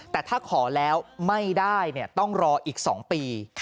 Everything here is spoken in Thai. แต่ถ้าขอแล้วไม่ได้ต้องรออีก๒ปี